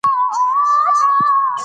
د حل لار: شعوري انقلاب او معرفتي دینداري